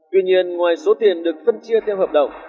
tuy nhiên ngoài số tiền được phân chia theo hợp đồng